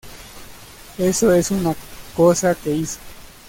Eso es una cosa que hizo".